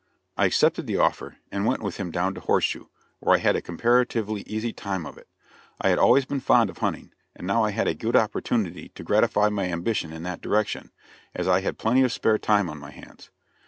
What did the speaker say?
I accepted the offer, and went with him down to Horseshoe, where I had a comparatively easy time of it. I had always been fond of hunting, and I now had a good opportunity to gratify my ambition in that direction, as I had plenty of spare time on my hands.